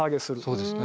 そうですね。